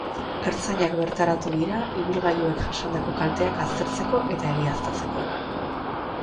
Ertzainak bertaratu dira, ibilgailuek jasandako kalteak aztertzeko eta egiaztatzeko.